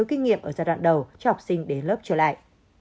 kinh nghiệm ở giai đoạn đầu cho học sinh đến lớp trở lại